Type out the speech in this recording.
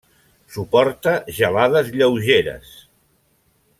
Suporta gelades lleugeres.